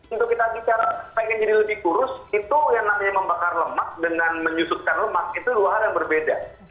untuk kita bicara baik yang jadi lebih kurus itu yang namanya membakar lemak dengan menyusutkan lemak itu luar yang berbeda